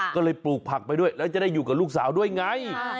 ก็เลยปลูกผักไปด้วยแล้วจะได้อยู่กับลูกสาวด้วยไง